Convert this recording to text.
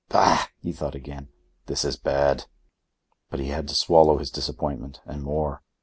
"Bah!" he thought again, "this is bad." But he had to swallow his disappointment, and more.